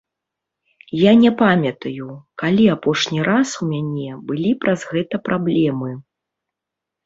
Я не памятаю, калі апошні раз у мяне былі праз гэта праблемы.